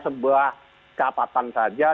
sebuah catatan saja